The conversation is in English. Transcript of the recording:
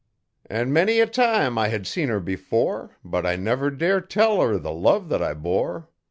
An' many a time I had seen her before, But I never dare tell 'er the love thet I bore.